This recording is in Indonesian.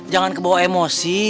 jangan kebawa emosi